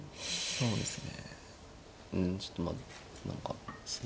そうですね